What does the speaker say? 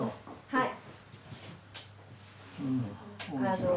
はい。